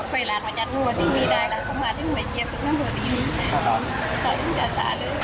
ไหนอะไรต่อ